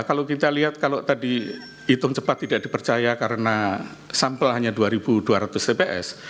kalau kita lihat kalau tadi hitung cepat tidak dipercaya karena sampel hanya dua dua ratus tps